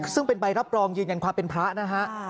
ซึ่งเป็นใบรับรองยืนยันความเป็นพระนะฮะ